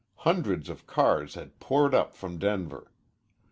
Hundreds of cars had poured up from Denver.